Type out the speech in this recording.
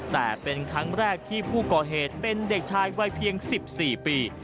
แต่เป็นครั้งแรกที่ผู้ก่อเหตุเป็นเด็กชายวัยเพียง๑๔ปี